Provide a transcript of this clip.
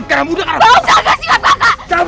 kamu jangan berisikap kakak